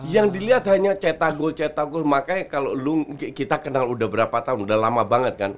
yang dilihat hanya cetak gol cetak gol makanya kalau kita kenal udah berapa tahun udah lama banget kan